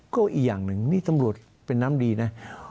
ก็อีกอย่างหนึ่งนี่ตำรวจเป็นน้ำดีนะ